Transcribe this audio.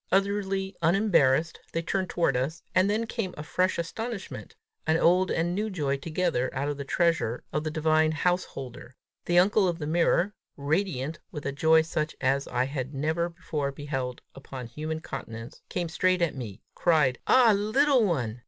Utterly unembarrassed they turned toward us and then came a fresh astonishment, an old and new joy together out of the treasure of the divine house holder: the uncle of the mirror, radiant with a joy such as I had never before beheld upon human countenance, came straight to me, cried; "Ah, little one!"